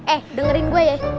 eh dengerin gue ya